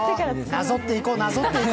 なぞっていこう、なぞっていこうよ。